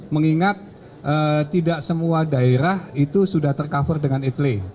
mengingat tidak semua daerah itu sudah tercover dengan etle